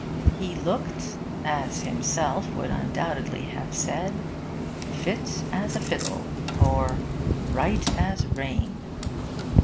He looked, as himself would undoubtedly have said, 'fit as a fiddle,' or 'right as rain.'